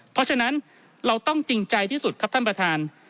เพราะฉะนั้นเราต้องจริงใจที่สุดครับท่านประธาน